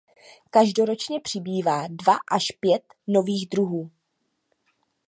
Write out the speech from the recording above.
Každoročně přibývá dva až pět nových druhů.